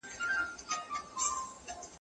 خلک د ښارونو جوړولو بوخت وو.